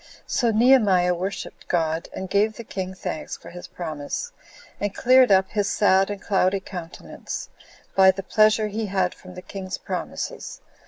So Nehemiah worshipped God, and gave the king thanks for his promise, and cleared up his sad and cloudy countenance, by the pleasure he had from the king's promises.